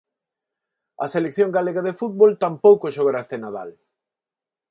A selección galega de fútbol tampouco xogará este Nadal.